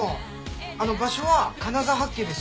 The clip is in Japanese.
あの場所は金沢八景です。